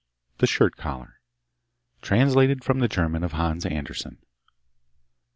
The Shirt collar Translated from the German of Hans Andersen.